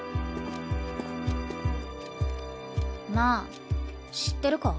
なあ知ってるか？